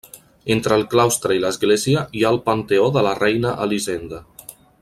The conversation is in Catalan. Entre el claustre i l'església hi ha el panteó de la reina Elisenda.